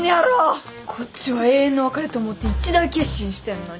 こっちは永遠の別れと思って一大決心してんのに。